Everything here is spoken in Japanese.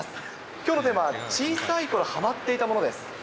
きょうのテーマが、小さいころハマっていたものです。